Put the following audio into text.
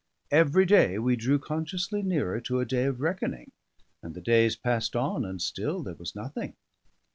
Every day we drew consciously nearer to a day of reckoning; and the days passed on, and still there was nothing.